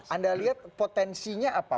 anda lihat potensinya apa